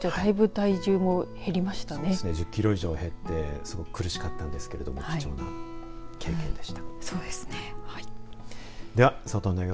そうですね１０キロ以上減って苦しかったんですけど貴重な経験でした。